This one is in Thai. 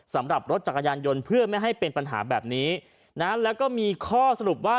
สำหรับรถจักรยานยนต์เพื่อไม่ให้เป็นปัญหาแบบนี้นะแล้วก็มีข้อสรุปว่า